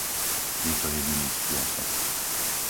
Je to jediný spôsob.